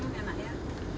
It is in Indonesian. gue berangkat ya